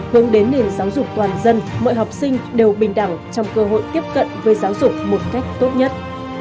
hướng đến nền giáo dục toàn dân mọi học sinh đều bình đẳng trong cơ hội tiếp cận với giáo dục một cách tốt nhất